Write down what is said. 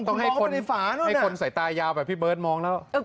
ต้องให้คนให้คนใส่ตายาวแบบพี่เบิร์ตมองแล้ว